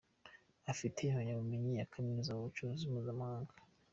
Afite impamyabumenyi ya kaminuza mu Bucuruzi mpuzamahanga.